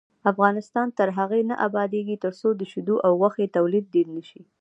افغانستان تر هغو نه ابادیږي، ترڅو د شیدو او غوښې تولید ډیر نشي.